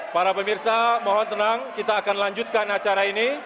para pemirsa mohon tenang kita akan lanjutkan acara ini